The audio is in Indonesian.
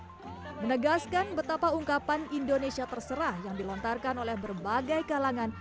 menegaskan betapa ungkapan indonesia terserah yang dilontarkan oleh berbagai kalangan